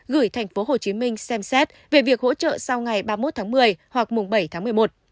gửi tp hcm xem xét về việc hỗ trợ sau ngày ba mươi một tháng một mươi hoặc mùng bảy tháng một mươi một